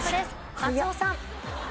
松尾さん。